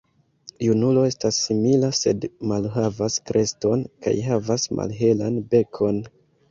Junulo estas simila, sed malhavas kreston kaj havas malhelan bekon.